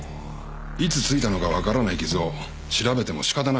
いつ付いたのかわからない傷を調べても仕方ないだろう。